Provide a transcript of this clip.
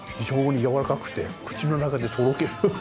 非常に柔らかくて口の中でとろける。